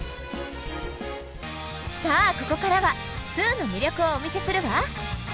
さあここからは「２」の魅力をお見せするわ！